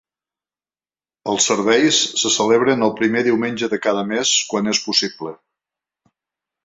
Els serveis se celebren el primer diumenge de cada mes quan és possible.